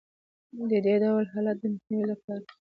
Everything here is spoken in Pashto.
د دې ډول حالت د مخنیوي لپاره